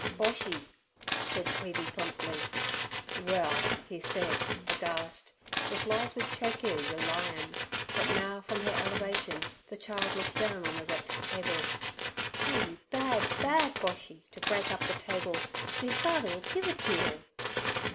'Boshy,' said Queeby promptly. 'Well,' said he, aghast, 'if lies would choke yer, yer lyin'—' But now from her elevation the child looked down on the wrecked table. 'Oh, you bad, bad Boshy, t' break up the table! Me father 'll give it to you!'